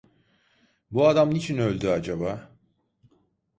Bu adam niçin öldü acaba?